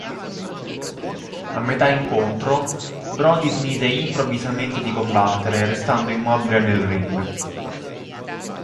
A metà incontro, Brody smise improvvisamente di combattere restando immobile nel ring.